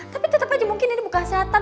tapi tetep aja mungkin ini bukan setan